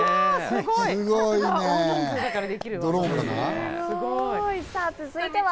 すごいね！